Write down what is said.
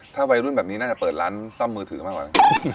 ถ้าวัยรุ่นแบบนี้น่าจะเปิดร้านซ่อมมือถือมากกว่านี้